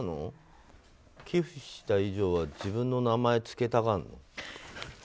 寄付した以上は自分の名前を付けたがるの？